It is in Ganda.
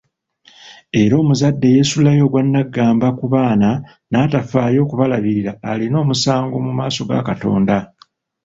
Era omuzadde eyeesuulirayo ogwa Nnaggamba ku baana n'atafaayo kubalabirira alina omusango mu maaso ga Katonda.